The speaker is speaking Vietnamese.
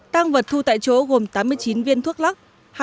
tăng vật thu tại chỗ gồm tám mươi chín viên thuốc lắc